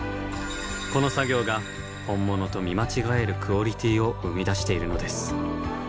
この作業が本物と見間違えるクオリティを生み出しているのです。